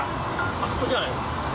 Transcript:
あそこじゃない？